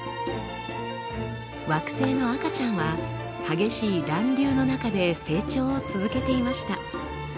惑星の赤ちゃんは激しい乱流の中で成長を続けていました。